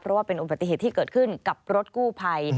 เพราะว่าเป็นอุบัติเหตุที่เกิดขึ้นกับรถกู้ภัย